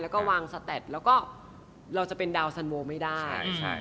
แล้วก็วางสแตดแล้วก็เราจะเป็นดาวสันโวไม่ได้